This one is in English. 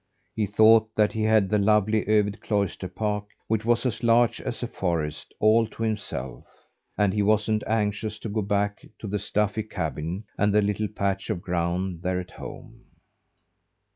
He thought that he had the lovely Övid Cloister park which was as large as a forest all to himself; and he wasn't anxious to go back to the stuffy cabin and the little patch of ground there at home.